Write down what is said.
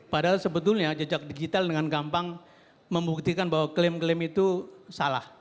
padahal sebetulnya jejak digital dengan gampang membuktikan bahwa klaim klaim itu salah